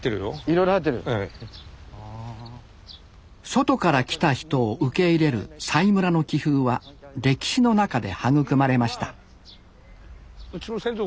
外から来た人を受け入れる佐井村の気風は歴史の中で育まれましたうちの先祖